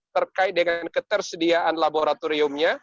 terkait dengan ketersediaan laboratoriumnya